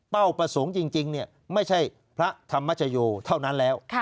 ประสงค์จริงไม่ใช่พระธรรมชโยเท่านั้นแล้ว